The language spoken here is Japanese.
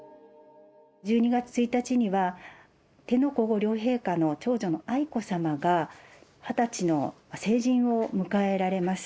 １２月１日には、天皇皇后両陛下の長女の愛子さまが、２０歳の成人を迎えられます。